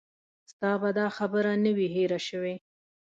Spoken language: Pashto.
ستا به دا خبره نه وي هېره شوې.